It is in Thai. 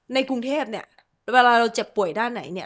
ในกรุงเทพเนี่ยเวลาเราเจ็บป่วยด้านไหนเนี่ย